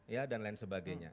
ya dan lain sebagainya